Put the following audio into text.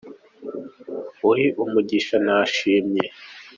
Uri umugisha nashimye